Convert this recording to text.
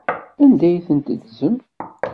Anda ay ten-teddzem?